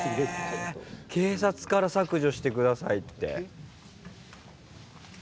警察から削除して下さいって。